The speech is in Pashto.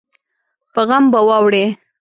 په غم به واوړې